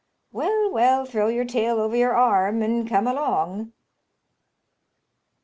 "Well, well, throw your tail over your arm, and come along."